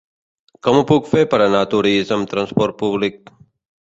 Com ho puc fer per anar a Torís amb transport públic?